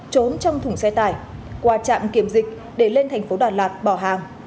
trốn trong thùng xe tải qua trạm kiểm dịch để lên thành phố đà lạt bỏ hàng